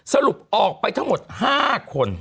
สรุปออกไปทั้งหมด๕คน